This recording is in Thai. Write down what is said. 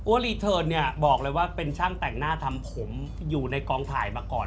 รีเทิร์นเนี่ยบอกเลยว่าเป็นช่างแต่งหน้าทำผมอยู่ในกองถ่ายมาก่อน